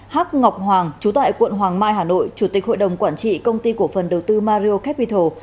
hắc ngọc hoàng chú tại quận hoàng mai hà nội chủ tịch hội đồng quản trị công ty cổ phần đầu tư mario capital